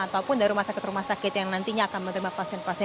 ataupun dari rumah sakit rumah sakit yang nantinya akan menerima pasien pasien